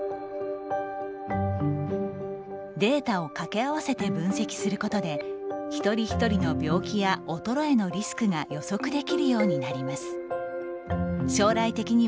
データを掛け合わせて分析することで一人一人の病気や衰えのリスクが予測できるようになります。